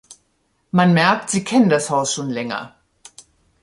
Man merkt, Sie kennen das Haus schon länger.